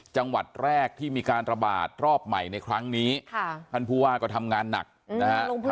จังหวัดแรกที่มีการระบาดรอบใหม่ในครั้งนี้ค่ะท่านผู้ว่าก็ทำงานหนักนะฮะ